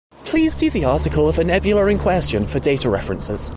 Please see the article of the nebula in question for data references.